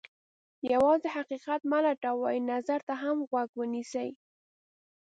یوازې حقیقت مه لټوئ، نظر ته هم غوږ ونیسئ.